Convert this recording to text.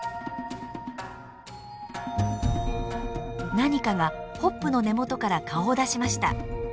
何かがホップの根元から顔を出しました。